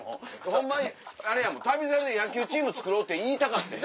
ホンマに『旅猿』で野球チームつくろうって言いたかってん。